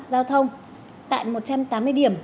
giao thông tại một trăm tám mươi điểm